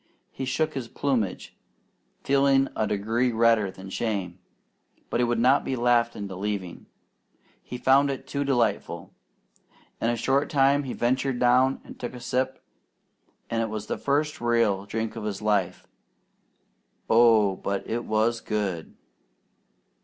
He shook his plumage, feeling a degree redder from shame, but he would not be laughed into leaving. He found it too delightful. In a short time he ventured down and took a sip, and it was the first real drink of his life. Oh, but it was good!